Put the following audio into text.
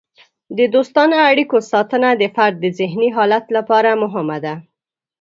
د دوستانه اړیکو ساتنه د فرد د ذهني حالت لپاره مهمه ده.